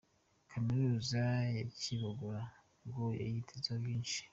Kaminuza ya kibogora ngo bayitezeho byinshi